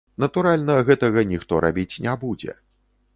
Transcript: Натуральна, гэтага ніхто рабіць не будзе.